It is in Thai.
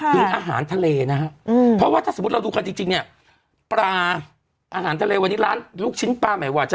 ถึงอาหารทะเลนะฮะเพราะว่าถ้าสมมุติเราดูกันจริงเนี่ยปลาอาหารทะเลวันนี้ร้านลูกชิ้นปลาใหม่ว่าจะ